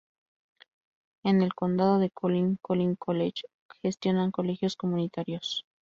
En el condado de Collin, "Collin College" gestionan colegios comunitarios.